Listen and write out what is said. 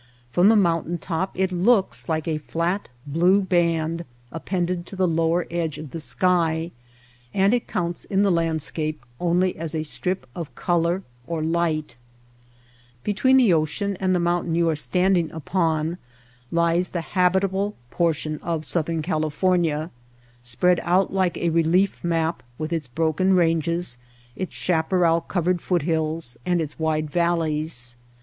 From the mountain top it looks like a flat blue band appended to the lower edge of the sky, and it counts in the landscape only as I a strip of color or light. MOUNTAIN BAREIERS 227 Between the ocean and the mountain yon are standing upon lies the habitable portion of Southern California, spread out like a relief map with its broken ranges, its chaparral cov ered foot hills, and its wide valleys.